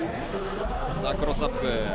クロスアップ。